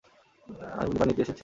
আমি পানি নিতে নিচে এসেছি।